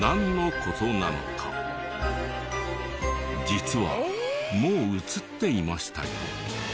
実はもう映っていましたよ。